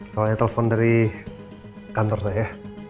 soalnya telepon dari kantor saya